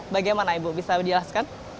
bagaimana ibu bisa dijelaskan